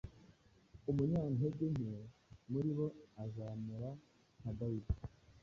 umunyantegenke muri bo azamera nka Dawidi